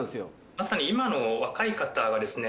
まさに今の若い方がですね